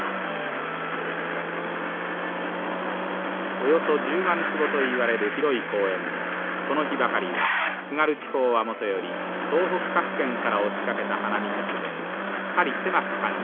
およそ１０万坪といわれる広い公園もこの日ばかりは津軽地方はもとより東北各県から押しかけた花見客ですっかり狭く感じました。